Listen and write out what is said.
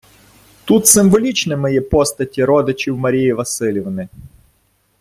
Тут символічними є постаті родичів Марії Василівни.